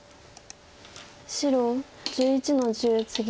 白１１の十ツギ。